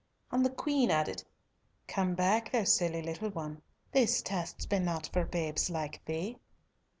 and the Queen added, "Come back, thou silly little one, these tests be not for babes like thee."